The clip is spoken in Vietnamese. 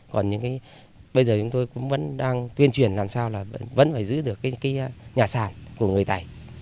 còn bây giờ chúng tôi vẫn đang tuyên truyền làm sao là vẫn phải giữ được nhà sàn của người tài